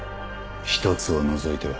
１つを除いては。